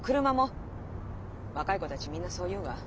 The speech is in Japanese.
若い子たちみんなそう言うわ。